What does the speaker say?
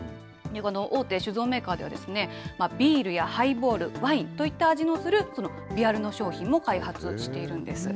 大手酒造メーカーでは、ビールやハイボール、ワインといった味のする微アルの商品も開発しているんです。